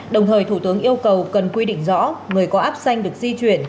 đồng thời thủ tướng yêu cầu cần quy định rõ người có áp xanh được di chuyển